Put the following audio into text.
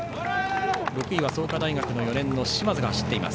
６位は創価大学４年の嶋津が走っています。